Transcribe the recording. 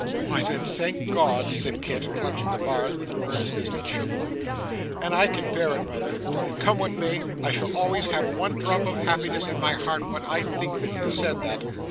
'Why then, thank God!' said Kit, clutching the bars with an earnestness that shook them, 'and I can bear it, mother! Come what may, I shall always have one drop of happiness in my heart when I think that you said that.